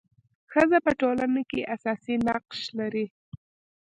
ښځه په ټولنه کي اساسي نقش لري.